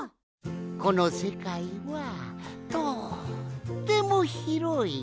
このせかいはとってもひろい。